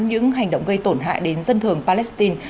những hành động gây tổn hại đến dân thường palestine